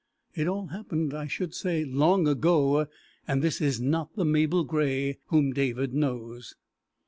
It all happened, I should say, long ago, and this is not the Mabel Grey whom David knows.